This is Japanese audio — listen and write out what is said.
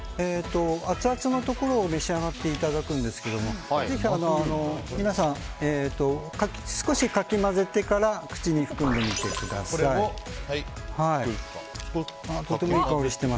アツアツのところを召し上がっていただくんですが皆さん、少しかき混ぜてから口に含んでみてください。